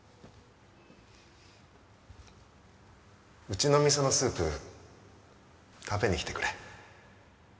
うちの店のスープ食べに来てくれ。